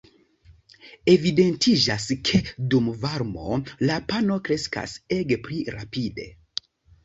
Evidentiĝas ke dum varmo la "pano" kreskas ege pli rapide.